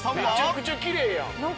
めちゃくちゃきれいやん。